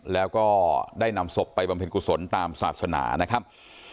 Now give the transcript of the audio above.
แล้วก็ได้นำศพไปบำเพ็ญกุศลตามศาสนานะครับ